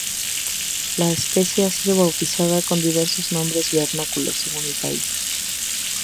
La especie ha sido bautizada con diversos nombres vernáculos según el país.